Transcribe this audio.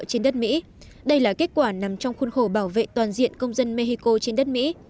trên đất mỹ đây là kết quả nằm trong khuôn khổ bảo vệ toàn diện công dân mexico trên đất mỹ